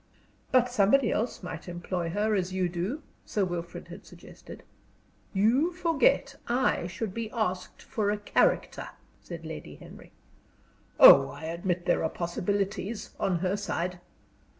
"But somebody else might employ her as you do?" Sir Wilfrid had suggested. "You forget I should be asked for a character," said Lady Henry. "Oh, I admit there are possibilities on her side.